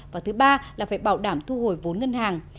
và thứ ba là phải bảo đảm thu hồi vốn ngân hàng